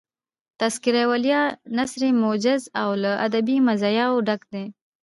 "تذکرةالاولیاء" نثر موجز او له ادبي مزایاو ډک دﺉ.